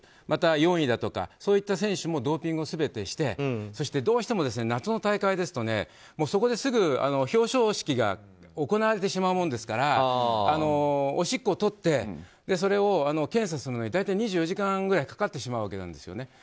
また４位だとかそういった選手もドーピングを全てしてどうしても夏の大会ですとそこで、すぐ表彰式が行われてしまうものですからおしっこをとってそれを検査するのに大体２４時間くらいかかってしまうわけですよね。